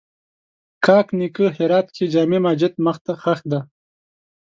کاک نیکه هرات کښې جامع ماجت مخ ته ښخ دی